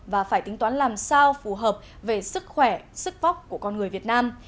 và phải tính toán làm sao phù hợp về sức khỏe sức vóc của con người việt nam